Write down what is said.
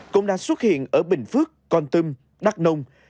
cũng đã xuất hiện ở bình phước con tâm đắc nông